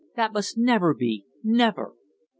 That must never be never!"